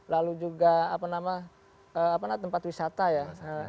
lalu juga apa namanya tempat wisata ya